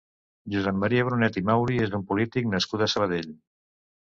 Josep Maria Brunet i Mauri és un polític nascut a Sabadell.